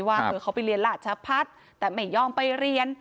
ว่าเขาไปเรียนราชพัฒน์แต่ไม่ยอมไปเรียน